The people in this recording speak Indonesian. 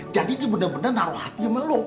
jadi bener bener naruh hati sama lo